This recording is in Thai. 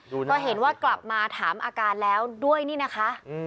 ก็เห็นว่ากลับมาถามอาการแล้วด้วยนี่นะคะ